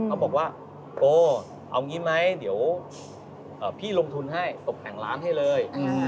เขาบอกว่าโอ้เอางี้ไหมเดี๋ยวพี่ลงทุนให้ตกแต่งร้านให้เลย